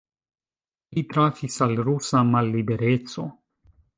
Li trafis al rusa mallibereco.